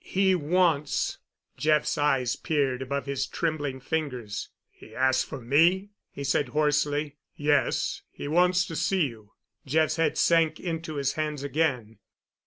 He wants——" Jeff's eyes peered above his trembling fingers. "He asked—for me?" he said hoarsely. "Yes—he wants to see you." Jeff's head sank into his hands again.